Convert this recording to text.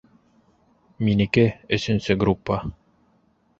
Минеке - өсөнсө группа.